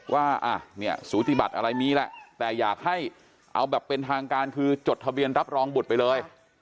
ว่าเนี่ยสูติบัติอะไรมีแหละแต่อยากให้เอาแบบเป็นทางการคือจดทะเบียนรับรองบุตรไปเลย